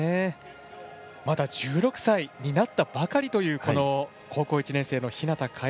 まだ１６歳になったばかりという高校１年生の日向楓。